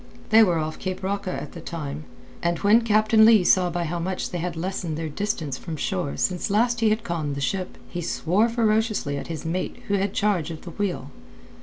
They were off Cape Roca at the time, and when Captain Leigh saw by how much they had lessened their distance from shore since last he had conned the ship, he swore ferociously at his mate who had charge of the wheel.